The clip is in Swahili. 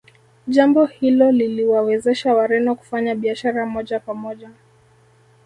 Jambo hilo liliwawezesha Wareno kufanya biashara moja kwa moja